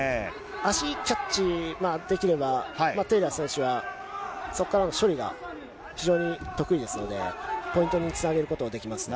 足、キャッチできれば、テイラー選手が、そこからの処理が非常に得意ですので、ポイントにつなげることができます。